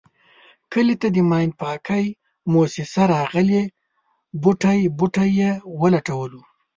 کلي ته د ماین پاکی موسیسه راغلې بوټی بوټی یې و لټولو.